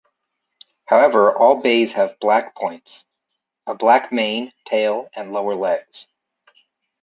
However, all bays have "black points" - a black mane, tail and lower legs.